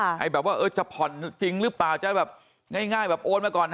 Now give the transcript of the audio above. ไอ้แบบว่าเออจะผ่อนจริงหรือเปล่าจะแบบง่ายแบบโอนมาก่อน